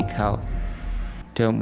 maka anda mencari keamanan